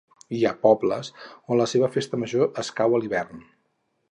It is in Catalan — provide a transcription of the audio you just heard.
Hi ha pobles on la seva festa major escau a l'hivern